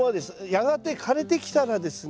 やがて枯れてきたらですね